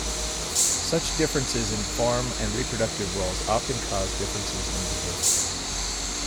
Such differences in form and reproductive roles often cause differences in behavior.